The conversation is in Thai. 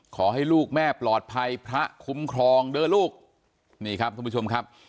ขอให้ลูกแม่ปลอดภัยพระคุ้มครองเด้อลูกนี่ครับท่านผู้ชมครับ